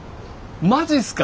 マジっすか！